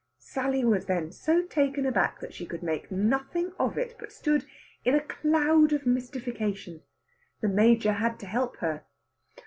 Sally was then so taken aback that she could make nothing of it, but stood in a cloud of mystification. The major had to help her.